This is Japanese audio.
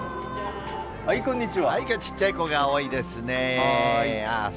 きょう、ちっちゃい子が多いですね。